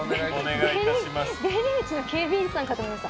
出入り口の警備員さんかと思いました。